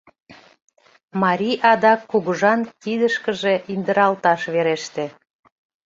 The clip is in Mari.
Марий адак кугыжан кидышкыже индыралташ вереште.